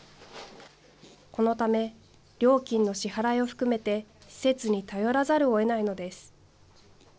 このため、料金の支払いを含めて施設に頼らざるをえないのです。